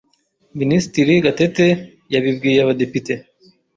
Minisitiri Gatete, yabibwiye Abadepite